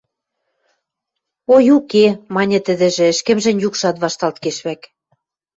– Ой уке, – маньы тӹдӹжӹ, ӹшкӹмжӹн юкшат вашталт кеш вӓк.